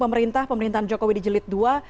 pemerintah pemerintahan jokowi dijelit dua